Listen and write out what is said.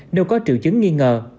nếu có triệu chứng nghi ngờ